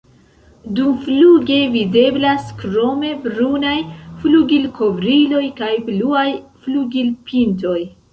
Dumfluge videblas krome brunaj flugilkovriloj kaj bluaj flugilpintoj.